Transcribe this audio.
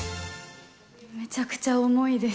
めちゃくちゃ重いです。